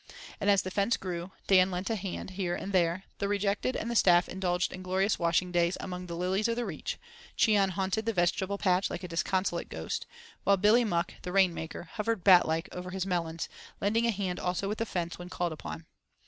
And as the fence grew, Dan lent a hand here and there, the rejected and the staff indulged in glorious washing days among the lilies of the Reach; Cheon haunted the vegetable patch like a disconsolate ghost; while Billy Muck, the rainmaker, hovered bat like over his melons, lending a hand also with the fence when called upon.